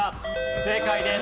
正解です。